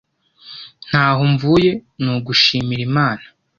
ntaho mvuye nugushimira imana